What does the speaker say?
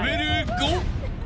５］